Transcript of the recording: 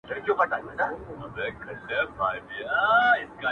دی ها دی زه سو او زه دی سوم بيا راونه خاندې~